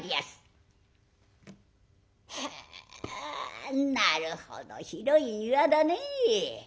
へえなるほど広い庭だねえ。